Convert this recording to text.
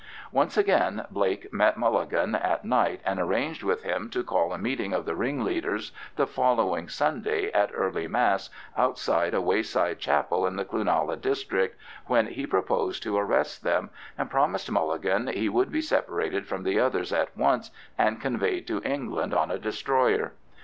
Once again Blake met Mulligan at night, and arranged with him to call a meeting of the ringleaders the following Sunday at early Mass outside a wayside chapel in the Cloonalla district, when he proposed to arrest them, and promised Mulligan he would be separated from the others at once and conveyed to England on a destroyer.